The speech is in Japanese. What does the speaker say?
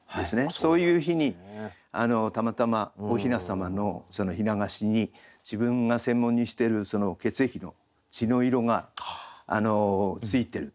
そういう日にたまたまお雛様の雛菓子に自分が専門にしてる血液の血の色がついてる。